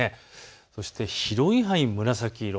そして広い範囲、紫色。